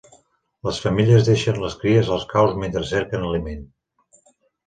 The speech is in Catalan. Les femelles deixen les cries als caus mentre cerquen aliment.